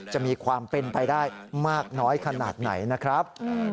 จะมีความเป็นไปได้มากน้อยขนาดไหนนะครับ